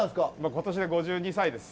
今年で５２歳です。